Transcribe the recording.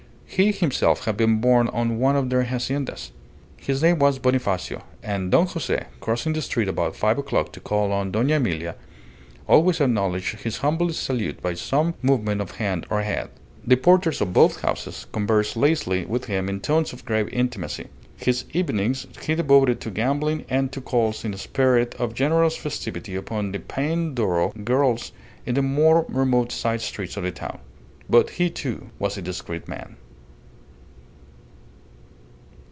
He himself had been born on one of their haciendas. His name was Bonifacio, and Don Jose, crossing the street about five o'clock to call on Dona Emilia, always acknowledged his humble salute by some movement of hand or head. The porters of both houses conversed lazily with him in tones of grave intimacy. His evenings he devoted to gambling and to calls in a spirit of generous festivity upon the peyne d'oro girls in the more remote side streets of the town. But he, too, was a discreet man.